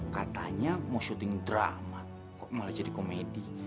katanya mau shooting drama kok malah jadi komedi